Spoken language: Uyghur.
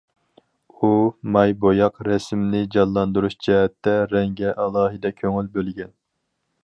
ئۇ ماي بوياق رەسىمنى جانلاندۇرۇش جەھەتتە رەڭگە ئالاھىدە كۆڭۈل بۆلگەن.